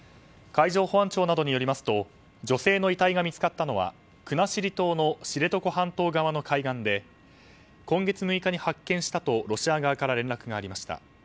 海上保安庁などによりますと女性の遺体が見つかったのは国後島の知床半島側の海岸で今月６日に発見したとロシア側から連絡がありました。